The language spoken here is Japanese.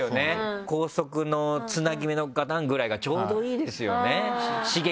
高速のつなぎ目の「ガタン」ぐらいがちょうどいいですよね刺激は。